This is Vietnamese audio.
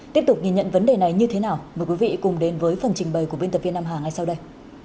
tiếp tục nhìn nhận vấn đề này như thế nào mời quý vị cùng đến với phần trình bày của biên tập viên nam hà ngay sau đây